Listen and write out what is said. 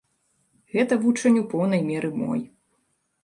Гэта вучань у поўнай меры мой.